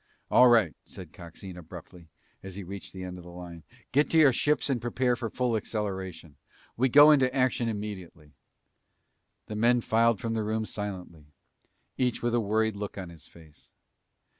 "All right," said Coxine abruptly as he reached the end of the line. "Get to your ships and prepare for full acceleration. We go into action immediately!" The men filed from the room silently, each with a worried look on his face.